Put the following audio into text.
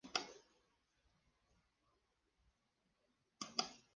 Esta versión fue completamente reescrita y traía una nueva interfaz.